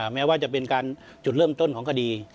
แม้ว่าจะเป็นการจุดเริ่มต้นของคดี